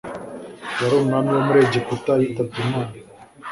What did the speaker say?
yari umwami wo muri Etiyopiya yitabye Imana